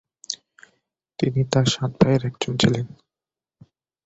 তিনি তার সাত ভাইয়ের একজন ছিলেন।